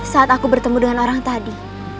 saat aku bertemu dengan orang tadi